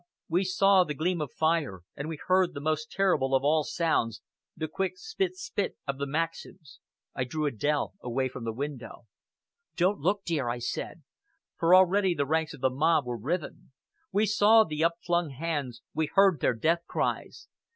We saw the gleam of fire, and we heard the most terrible of all sounds the quick spit spit of the maxims. I drew Adèle away from the window. "Don't look, dear," I said, for already the ranks of the mob were riven. We saw the upflung hands, we heard their death cries.